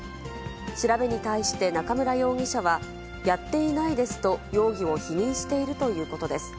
調べに対して中村容疑者は、やっていないですと容疑を否認しているということです。